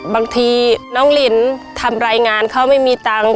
บางทีน้องลินทำรายงานเขาไม่มีตังค์